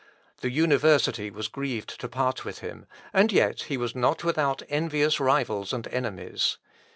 The university was grieved to part with him, and yet he was not without envious rivals and enemies.